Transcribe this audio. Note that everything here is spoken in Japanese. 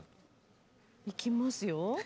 いきますよ。